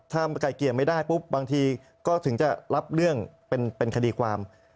ถ้าไก่เกลี่ยไม่ได้ปุ๊บบางทีก็ถึงจะรับเรื่องเป็นคดีความ